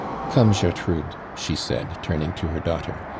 "Come, Gertrude," she said, turning to her daughter.